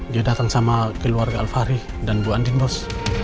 dia datang sama keluarga alvahri dan bu andin bos